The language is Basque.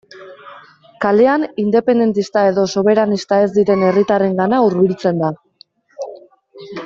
Kalean independentista edo soberanista ez diren herritarrengana hurbiltzen da.